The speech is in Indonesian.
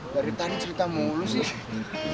dari tanah cerita mulu sih